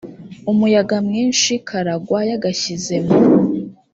umuyaga mwinshi karagwa yagashyize mu